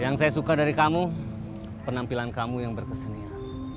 yang saya suka dari kamu penampilan kamu yang berkesenian